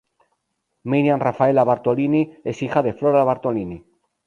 Miriam Raffaella Bartolini es hija de Flora Bartolini.